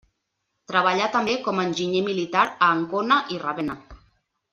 Treballà també com enginyer militar a Ancona i Ravenna.